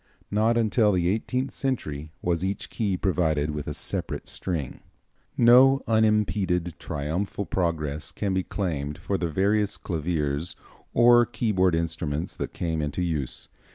Not until the eighteenth century was each key provided with a separate string. No unimped triumphal progress can be claimed for the various claviers or keyboard instruments that came into use.